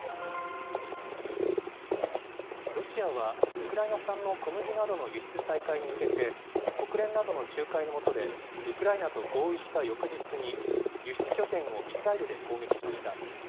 ロシアはウクライナ産の小麦などの輸出再開に向けて、国連などの仲介の下で、ウクライナと合意した翌日に、輸出拠点をミサイルで攻撃しました。